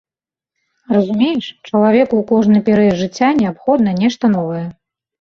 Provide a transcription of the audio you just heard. Разумееш, чалавеку ў кожны перыяд жыцця неабходна нешта новае.